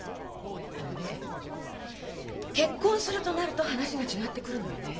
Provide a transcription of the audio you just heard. でもね結婚するとなると話が違ってくるのよね。